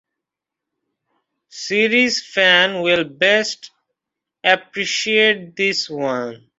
Series fans will best appreciate this one.